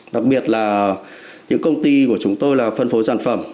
đặc biệt là những công ty của chúng tôi là phân phối sản phẩm